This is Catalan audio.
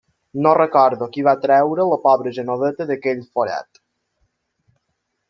No recordo qui va treure la pobra Genoveva d'aquell forat.